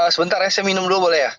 sebentar ya saya minum dulu boleh ya